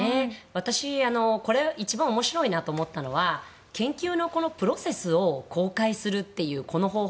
私これ一番面白いなと思ったのは研究のこのプロセスを公開するというこの方法